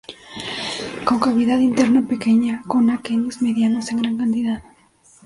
Con cavidad interna pequeña, con aquenios medianos en gran cantidad.